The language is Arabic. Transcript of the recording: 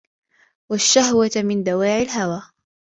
وَالشَّهْوَةَ مِنْ دَوَاعِي الْهَوَى